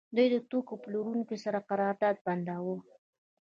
دوی د توکو له پلورونکو سره قرارداد بنداوه